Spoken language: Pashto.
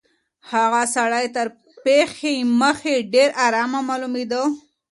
هغه سړی تر پېښي مخکي ډېر آرامه معلومېدی.